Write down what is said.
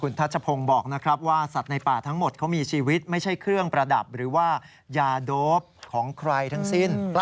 ทัชพงศ์บอกนะครับว่าสัตว์ในป่าทั้งหมดเขามีชีวิตไม่ใช่เครื่องประดับหรือว่ายาโดปของใครทั้งสิ้น